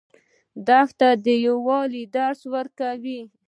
دښته د یووالي درس ورکوي.